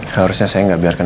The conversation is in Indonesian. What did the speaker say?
harusnya saya enggak biarkan